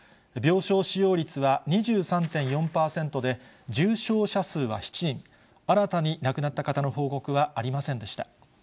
病床使用率は２３．４％で、重症者数は７人、新たに亡くなった方の報告はありませんでした。